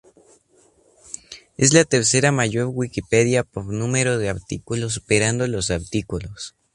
Es la tercera mayor Wikipedia por número de artículos, superando los artículos.